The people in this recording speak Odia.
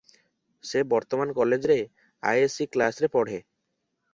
ସେ ବର୍ତ୍ତମାନ କଲେଜରେ ଆଏ, ଏସ୍. ସି. କ୍ଲାସରେ ପଢ଼େ ।